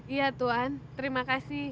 iya tuan terima kasih